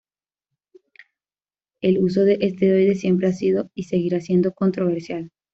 El uso de esteroides siempre ha sido y seguirá siendo controversial.